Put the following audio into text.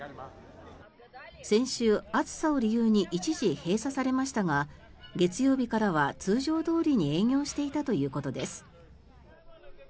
先週、暑さを理由に一時、閉鎖されましたが月曜日からは通常どおりに営業していたということです。